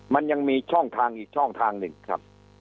มันยังมีช่องทางอีกช่องทางหนึ่งครับ